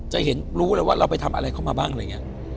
จะเห็นรู้เลยว่าเราไปทำอะไรเข้ามาบ้างอะไรอย่างนี้